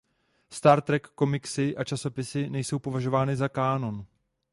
Star Trek komiksy a časopisy nejsou považovány za kánon.